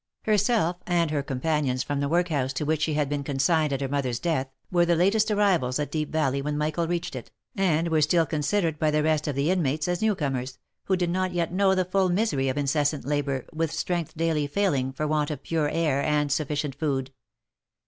Herself, and her companions from the workhouse to which she had been consigned at her mother's death, were the latest arrivals at Deep Valley when Michael reached it, and were still con sidered by the rest of the inmates as new comers, who did not yet know the full misery of incessant labour, with strength daily failing for want of pure air and sufficient food.